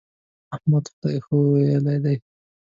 احمد خدای ښويولی دی.